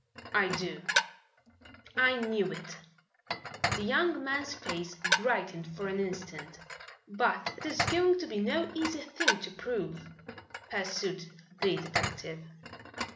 "I do." "I knew it!" The young man's face brightened for an instant. "But it is going to be no easy thing to prove," pursued the detective.